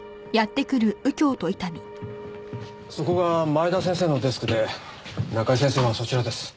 そこが前田先生のデスクで中井先生はそちらです。